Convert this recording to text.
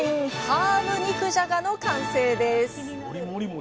ハーブ肉じゃがの完成です！